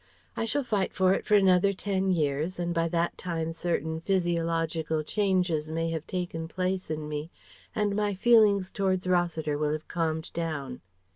I shall fight for it for another ten years, and by that time certain physiological changes may have taken place in me, and my feelings towards Rossiter will have calmed down."